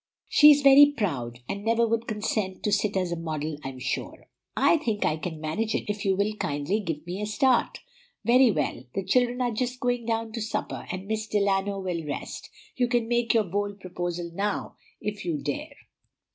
She is very proud, and never would consent to sit as a model, I'm sure." "I think I can manage it, if you will kindly give me a start." "Very well. The children are just going down to supper, and Miss Delano will rest. You can make your bold proposal now, if you dare."